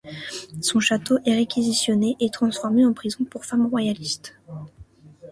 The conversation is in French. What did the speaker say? Son château est réquisitionné et transformé en prison pour femmes royalistes.